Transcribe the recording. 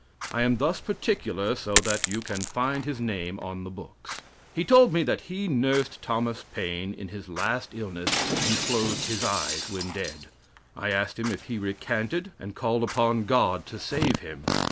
I am thus particular so that you can find his name on the books. He told me that he nursed Thomas Paine in his last illness and closed his eyes when dead. I asked him if he recanted and called upon God to save him.